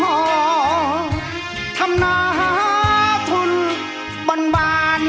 มันสำนานงานศาลว่าง